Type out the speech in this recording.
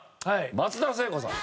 松田聖子さん。